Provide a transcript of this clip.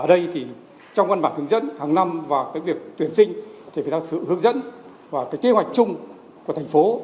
ở đây thì trong văn bản hướng dẫn hàng năm và cái việc tuyển sinh thì phải có sự hướng dẫn và cái kế hoạch chung của thành phố